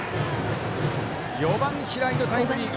４番、平井のタイムリー。